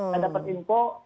saya dapat info